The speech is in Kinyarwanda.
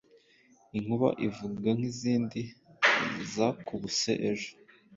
Inkuba ivuga nkizindi zakubuse ejo